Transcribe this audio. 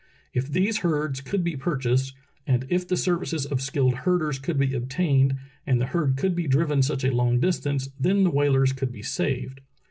If these herds could be purchased, and if the services of skilled herders could be obtained and the herd could be driven such a long distance then the whalers could be saved.